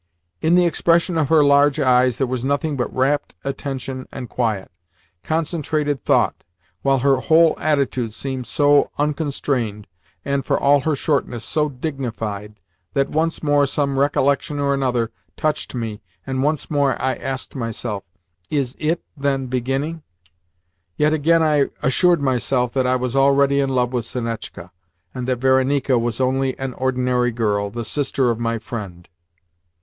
In the expression of her large eyes there was nothing but wrapt attention and quiet, concentrated thought, while her whole attitude seemed so unconstrained and, for all her shortness, so dignified that once more some recollection or another touched me and once more I asked myself, "Is IT, then, beginning?" Yet again I assured myself that I was already in love with Sonetchka, and that Varenika was only an ordinary girl, the sister of my friend.